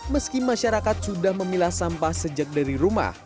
meski masyarakat sudah memilah sampah sejak dari rumah